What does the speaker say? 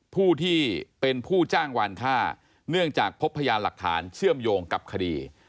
ผู้ที่เป็นผู้จ้างวานค่าเนื่องจากพบพยานหลักฐานเชื่อมโยงกับคดี